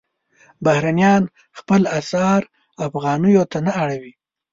بهرنیان خپل اسعار افغانیو ته نه اړوي.